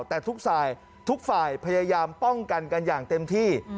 แต่ทุกฝ่ายทุกฝ่ายพยายามป้องกันกันอย่างเต็มที่